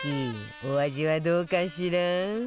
お味はどうかしら？